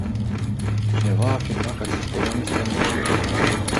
Cineva a afirmat că acest program este ambițios.